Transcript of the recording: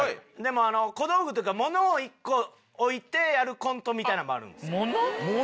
でもあの小道具というかモノを１個置いてやるコントみたいなのもあるんです。